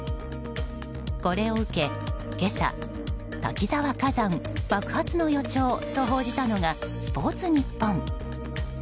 これを受け、今朝滝沢火山爆発の予兆と報じたのがスポーツニッポン。